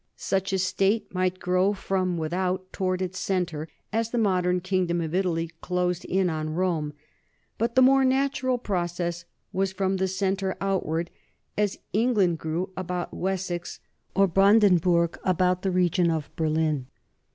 Such a state might grow from without toward its centre, as the modern kingdom of Italy closed in on Rome, but the more natural process was from the centre outward, as England grew about Wessex or Branden burg about the region near Berlin.